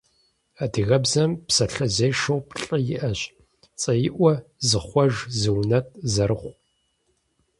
Адыгэбзэм псалъэзешэу плӏы иӏэщ: цӏэиӏуэ, зыхъуэж, зыунэтӏ, зэрыхъу.